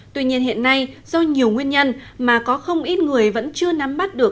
tuy nhiên hiện nay do nhiều nguyên nhân mà có không ít người vẫn chưa nắm bắt được